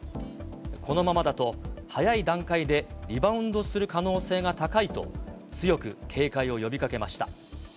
このままだと早い段階でリバウンドする可能性が高いと、強く警戒を呼びかけました。